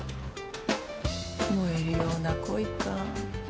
燃えるような恋かぁ。